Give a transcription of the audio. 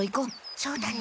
そうだね。